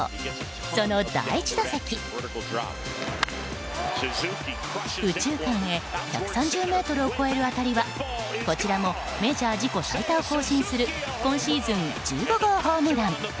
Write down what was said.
その第１打席右中間へ１３０ｍを超える当たりはこちらもメジャー自己最多を更新する今シーズン１５号ホームラン。